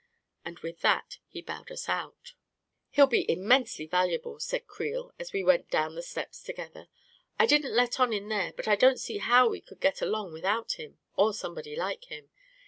And with that he bowed us out. " He'll be immensely valuable," said Creel, as we went down the steps together. " I didn't let on in there, but I don't see how we could get along with out him, or somebody like him.